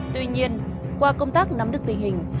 tuy nhiên qua công tác nắm được tình hình